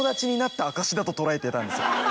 だと捉えてたんですよ。